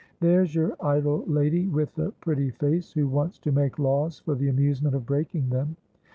There's your idle lady with the pretty face, who wants to make laws for the amusement of breaking them.